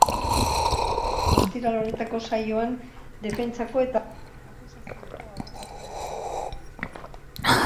Ostiral honetako saioan defentsako eta akusazioko abokatuen ondorioak entzun dira.